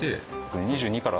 ２２から。